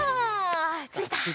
ついた。